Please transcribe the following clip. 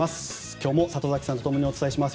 今日も里崎さんと共にお伝えします。